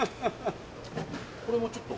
これもちょっと。